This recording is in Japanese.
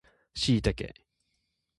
シイタケ